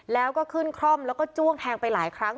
แล้วก็ขึ้นคร่อมแล้วก็จ้วงแทงไปหลายครั้ง